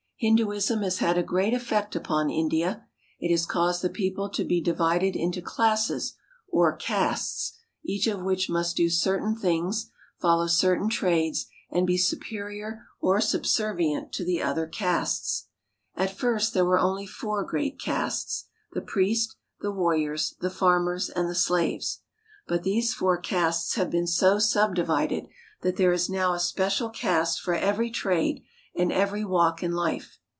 Hinduism has had a great effect upon India. It has caused the people to be di vided into classes or castes, each of which must do certain things, follow certain trades, and be supe rior or subservient to the other castes. At first there were only four great castes ; the priest, the warriors, the farmers, and the slaves. But these four castes have been so subdivided that there is now a special caste for every trade and every walk in life.